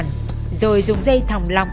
ngày ba tháng sáu